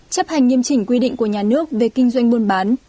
chấp hành nghiêm chỉnh quy định của nhà nước về kinh doanh buôn bán